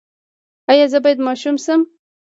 ایا زه باید ماشوم شم؟